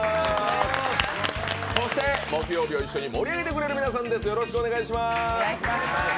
そして木曜日を一緒に盛り上げてくれる皆さんです。